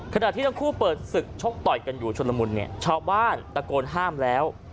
ขณะที่ทั้งคู่เปิดศึกชกต่อยกันอยู่ชนละมุนเนี่ยชาวบ้านตะโกนห้ามแล้ว